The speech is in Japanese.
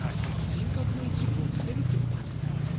人格の一部を捨てるということですから。